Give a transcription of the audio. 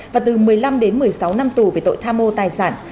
và từ một mươi năm đến một mươi sáu năm tù về tội tham mô tài sản